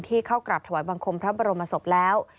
เข้ากราบถวายบังคมพระบรมศพแล้ว